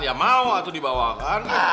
ya mau atuh dibawakan